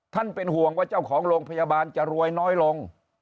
เป็นห่วงว่าเจ้าของโรงพยาบาลจะรวยน้อยลง